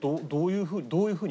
どういうふうに？